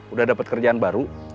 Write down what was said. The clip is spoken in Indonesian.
udah dapet kerjaan baru